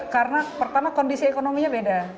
karena pertama kondisi ekonominya beda